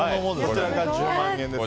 こちらが１０万円です。